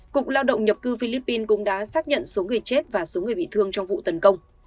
cục lao động nhập cư philippines cũng đã xác nhận số người chết và số người bị thương trong vụ tấn công